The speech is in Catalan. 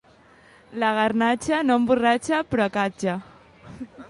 La garnatxa no emborratxa, però acatxa.